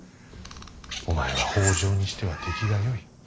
お前は北条にしては出来がよい。